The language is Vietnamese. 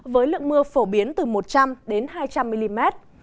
với lượng mưa phổ biến từ một trăm linh đến hai trăm linh mm